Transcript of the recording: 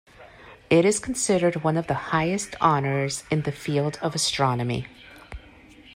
It is considered one of the highest honors in the field of astronomy.